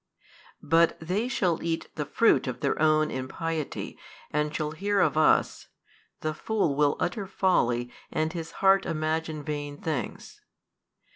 But they shall eat the fruit of their own impiety, and shall hear of us, The fool will utter folly and his heart imagine vain things.